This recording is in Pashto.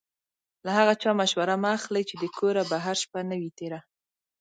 له هغه چا مشوره مه اخلئ چې د کوره بهر شپه نه وي تېره.